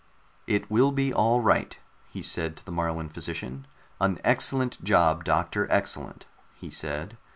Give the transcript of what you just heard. "It will be all right," he said to the Moruan physician. "An excellent job, Doctor, excellent!" he said.